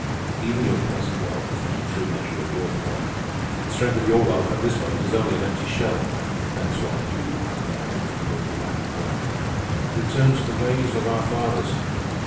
"Even your present wealth is not a true measure of your power. The strength of your wealth at this moment is only an empty shell. That is why you are crying out your feeble little battle cry, 'Return to the ways of our fathers.